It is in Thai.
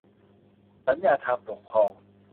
สัญญาทางปกครอง